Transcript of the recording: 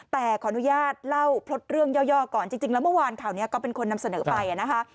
แต่ขออนุญาตเล่าพลดเรื่องย่อก่อนจริงแล้วเมื่อวานข่าวนี้ก็เป็นคนนำเสนอไปนะคะ